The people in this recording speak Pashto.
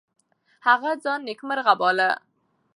هغه ځان نیکمرغه باله.